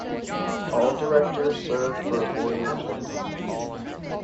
All directors serve for a four-year term.